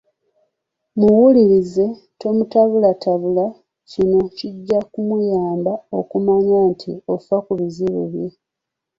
Muwulirize, tomutabulatabula. Kino kijja kumuyamba okumanya nti ofa ku bizibu bye.